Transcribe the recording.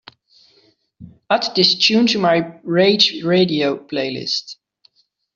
add this tune to my Rage Radio playlist